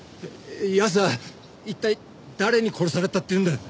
ヤスは一体誰に殺されたっていうんだよ？